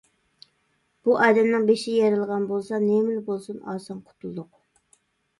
بۇ ئادەمنىڭ بېشى يېرىلغان بولسا. نېمىلا بولسۇن ئاسان قۇتۇلدۇق.